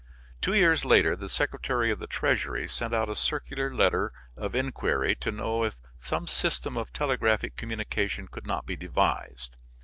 Two years later the Secretary of the Treasury sent out a circular letter of inquiry to know if some system of telegraphic communication could not be devised.